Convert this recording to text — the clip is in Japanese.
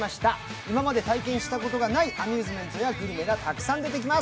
今まで体験したことがないアミューズメントやグルメがたくさん出てきます。